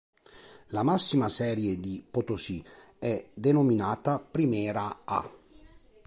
La massima serie di Potosí è denominata Primera "A".